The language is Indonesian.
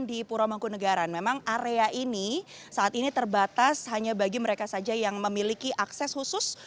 di pura mangkunagaran memang area ini saat ini terbatas hanya bagi mereka saja yang memiliki akses khusus